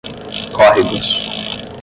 córregos